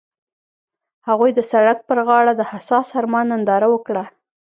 هغوی د سړک پر غاړه د حساس آرمان ننداره وکړه.